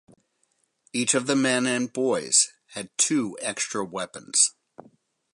Each of the men and boys had two extra weapons.